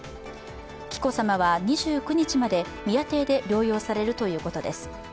紀子さまは２９日まで宮邸で療養されるということです。